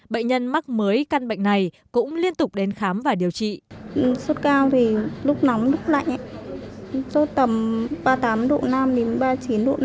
bệnh nhân mắc mới căn bệnh này cũng liên tục đến khám và điều trị